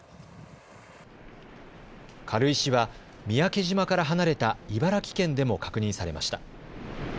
軽石は三宅島から離れた茨城県でも確認されました。